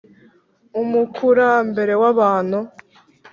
umukurambere w’abantu